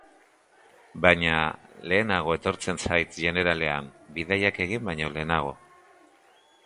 Baina lehenago etortzen zait jeneralean, bidaiak egin baino lehenago.